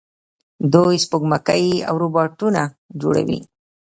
دوی سپوږمکۍ او روباټونه جوړوي.